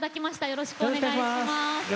よろしくお願いします。